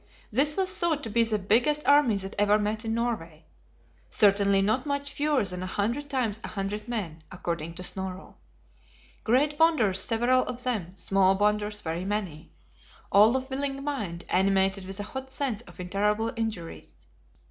This was thought to be the biggest army that ever met in Norway; "certainly not much fewer than a hundred times a hundred men," according to Snorro; great Bonders several of them, small Bonders very many, all of willing mind, animated with a hot sense of intolerable injuries.